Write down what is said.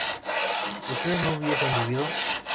¿ustedes no hubiesen vivido?